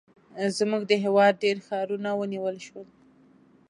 زموږ د هېواد ډېر ښارونه ونیول شول.